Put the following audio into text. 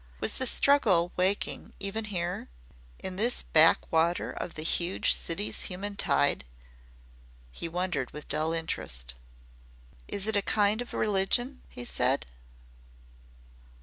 Was the struggle waking even here in this back water of the huge city's human tide? he wondered with dull interest. "Is it a kind of religion?" he said.